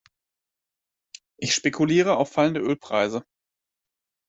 Ich spekuliere auf fallende Ölpreise.